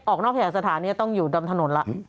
ออกนอกเกียรติฐานต้องอยู่ดำถนนละ